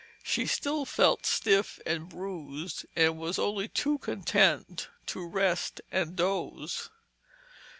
She still felt stiff and bruised and was only too content to rest and doze.